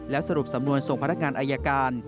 สรุปสำนวนส่งพนักงานอายการ